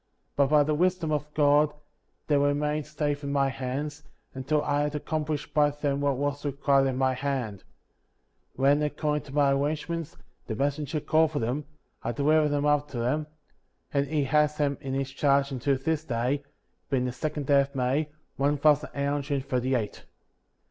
But by the Wisdom of God, they remained safe in my hands, until I had accomplished by them what was required at my hand. When, according to arrangements, the 'messenger called for them, I delivered them up to him; and he has them in his charge until this day, being the second day of May, one thousand eight hundred and thirty eight.